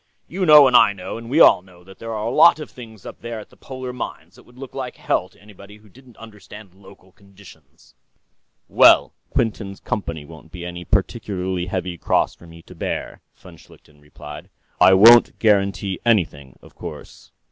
You know and I know and we all know that there are a lot of things up there at the polar mines that would look like hell to anybody who didn't understand local conditions...." "Well, Miss Quinton's company won't be any particularly heavy cross for me to bear," von Schlichten replied. "I won't guarantee anything, of course...."